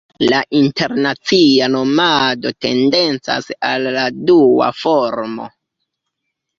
La internacia nomado tendencas al la dua formo.